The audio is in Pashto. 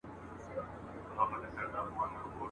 ګاونډیان به هره شپه په واویلا وه ..